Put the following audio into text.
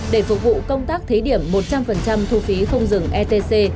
để phục vụ công tác thí điểm một trăm linh thu phí không dừng etc